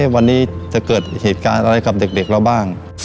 วันนี้จะเกิดเหตุการณ์อะไรกับเด็กเราบ้าง